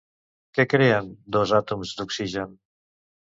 Què creen dos àtoms d'oxigen?